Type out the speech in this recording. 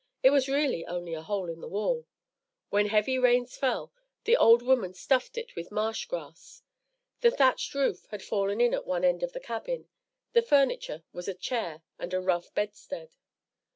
It was really only a hole in the wall. When heavy rains fell, the old woman stuffed it with marsh grass. The thatched roof had fallen in at one end of the cabin. The furniture was a chair and a rough bedstead.